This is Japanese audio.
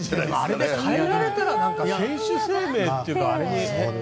あれで代えられたら選手生命とかに。